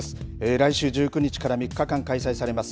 来週１９日から３日間開催されます